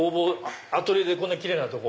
アトリエでこんなキレイなとこ。